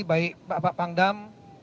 baik pak pangdam